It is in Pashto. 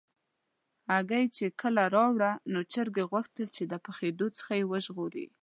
هګۍ چې کله راوړه، نو چرګې غوښتل چې د پخېدو څخه یې وژغوري.